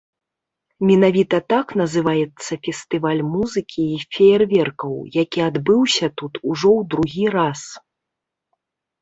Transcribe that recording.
Менавіта так называецца фестываль музыкі і феерверкаў, які адбыўся тут ужо ў другі раз.